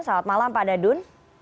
selamat malam pak dadun